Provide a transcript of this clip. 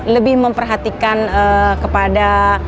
lebih memperhatikan kepada